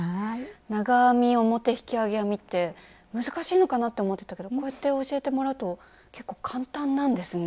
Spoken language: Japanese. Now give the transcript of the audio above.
長編み表引き上げ編みって難しいのかなって思ってたけどこうやって教えてもらうと結構簡単なんですね。